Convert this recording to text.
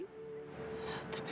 tapi aku justru tak tahu